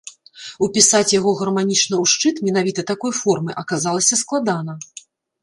Упісаць яго гарманічна ў шчыт менавіта такой формы аказалася складана.